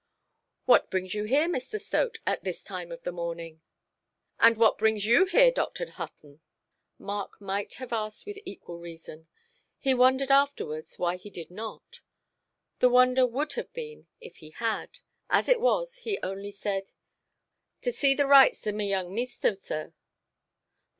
"What brings you here, Mr. Stote, at this time of the morning"? "And what brings you here, Dr. Hutton"? Mark might have asked with equal reason. He wondered afterwards why he did not; the wonder would have been if he had. As it was, he only said— "To see the rights o' my young meester, sir".